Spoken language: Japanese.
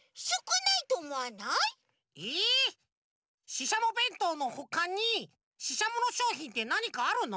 ししゃもべんとうのほかにししゃものしょうひんってなにかあるの？